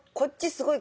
すごい。